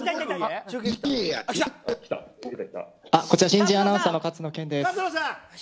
新人アナウンサーの勝野健です。